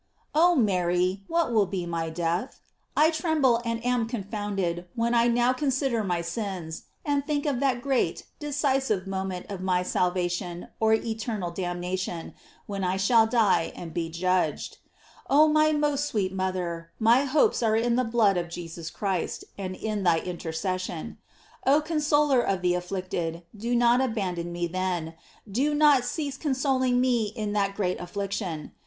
OH Mary, what will be my death? I tremble and am confounded when I now consider my sins, and think of that great, decisive moment of my salvation or eternal damnation, when I shall die and be judged. Oh my most sweet mother, my hopes are in the blood of Jesus Christ, and in thy intercession. Oh consoler of the afflicted, do not abandon me then; do not cease consoling me in that great affliction.